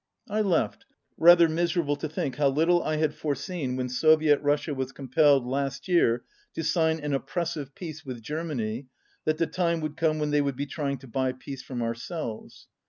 I left, rather miserable to diink how little I had foreseen when Soviet Russia was compelled last year to sign an oppressive peace with Germany, 1 61 that the time would come when they would be trying to buy peace from ourselves.